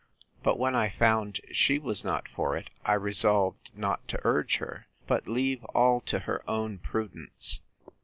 But when I found she was not for it, I resolved not to urge her; but leave all to her own prudence.